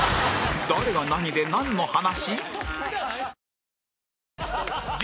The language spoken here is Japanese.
誰が何でなんの話？